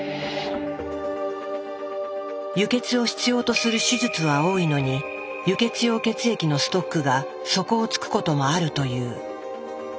輸血を必要とする手術は多いのに輸血用血液のストックが底をつくこともあるという。